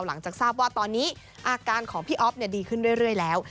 หลังจากทราบว่าตอนนี้อาการของพี่อ๊อฟดีขึ้นเรื่อยแล้ว